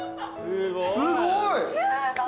すごい。